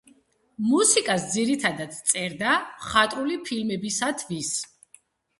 მუსიკას ძირითადად წერდა მხატვრული ფილმებისათვის.